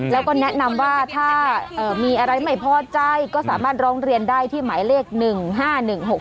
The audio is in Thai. แล้วก็แนะนำว่าถ้ามีอะไรไม่พอใจก็สามารถร้องเรียนได้ที่หมายเลข๑๕๑๖๖